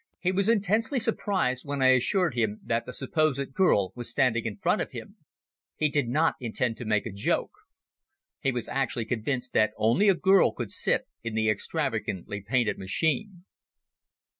He was intensely surprised when I assured him that the supposed girl was standing in front of him. He did not intend to make a joke. He was actually convinced that only a girl could sit in the extravagantly painted machine.